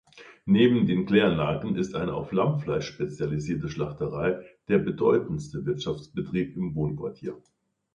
Neben den Kläranlagen ist eine auf Lammfleisch spezialisierte Schlachterei der bedeutendste Wirtschaftsbetrieb im Wohnquartier.